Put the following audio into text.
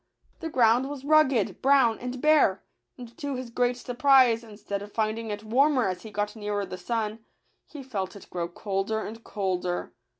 The ground was rugged, brown, and bare ; and to his great surprise, instead of finding it warmer as he got nearer the sun, he felt it grow colder and colder.